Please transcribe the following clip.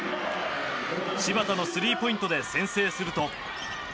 柴田のスリーポイントで先制すると。